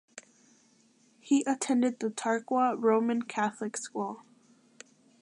He attended the Tarkwa Roman Catholic School.